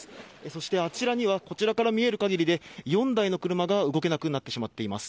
そしてあちらにはこちらから見える限りで４台の車が動けなくなってしまっています。